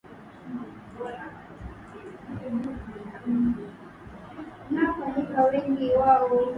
Ikumbukwe yeye ndiye mwanzilishi wa neno Chombeza neno alilolibuni kumaanisha kubembelezana